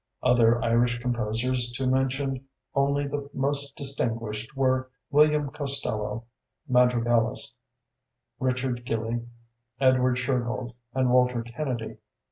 Other Irish composers, to mention only the most distinguished, were William Costello (madrigalist), Richard Gillie, Edward Shergold, and Walter Kennedy.